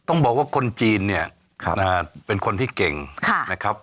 ต้องบอกว่าคนจีนเนี่ยนะฮะเป็นคนที่เก่งนะครับ